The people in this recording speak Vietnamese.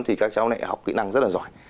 thì các cháu lại học kỹ năng rất là giỏi